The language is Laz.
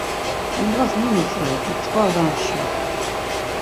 Em dğas mu mitzveret̆i çkar var mşuns.